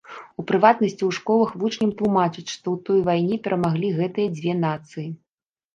У прыватнасці, у школах вучням тлумачаць, што ў той вайне перамаглі гэтыя дзве нацыі.